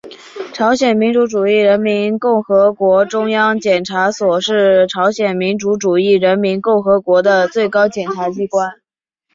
朝鲜民主主义人民共和国中央检察所是朝鲜民主主义人民共和国的最高检察机关。